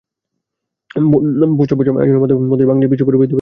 বছর বছর নানা আয়োজনের মধ্য দিয়ে বাংলাদেশে বিশ্ব পরিবেশ দিবস পালিত হয়।